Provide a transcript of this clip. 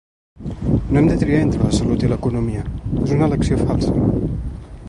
No hem de triar entre la salut i l’economia, és una elecció falsa.